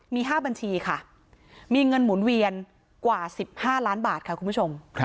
มี๕บัญชีค่ะมีเงินหมุนเวียนกว่า๑๕ล้านบาทค่ะคุณผู้ชม